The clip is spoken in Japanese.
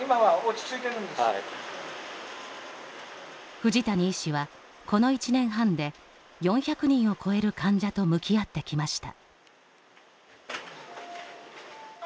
藤谷医師は、この１年半で４００人を超える患者と向き合ってきました。